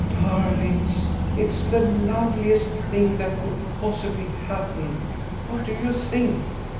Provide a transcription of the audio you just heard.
"Darlings, it's the loveliest thing that could possible happen. What do you think?"